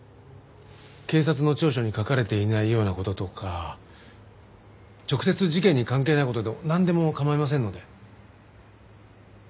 警察の調書に書かれていないような事とか直接事件に関係ない事でもなんでも構いませんので。